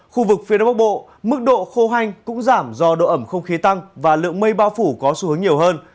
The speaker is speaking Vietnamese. khu vực phía đông bắc bộ mức độ khô hanh cũng giảm do độ ẩm không khí tăng và lượng mây bao phủ có xu hướng nhiều hơn